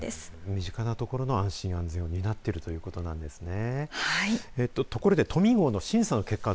身近な所の安心安全を担っているということなんですね。